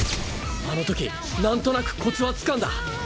あのときなんとなくコツはつかんだ。